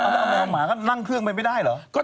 มองหมาก็นั่งเครื่องไปไม่ได้เหรอ